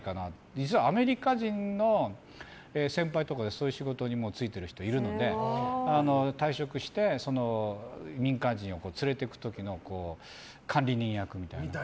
実はアメリカ人の先輩とかそういう仕事に就いてる人がもういるので退職して民間人を連れて行く時の管理人役みたいな。